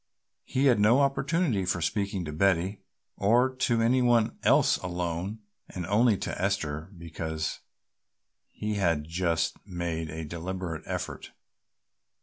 He had no opportunity for speaking to Betty or to any one else alone and only to Esther because he had just made a deliberate effort.